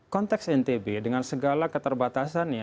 konteks ntb dengan segala keterbatasan